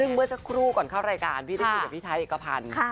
ซึ่งเมื่อสักครู่ก่อนเข้ารายการพี่ได้คุยกับพี่ชายเอกพันธ์